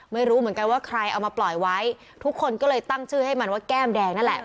ไม่รู้เหมือนกันว่าใครเอามาปล่อยไว้ทุกคนก็เลยตั้งชื่อให้มันว่าแก้มแดงนั่นแหละ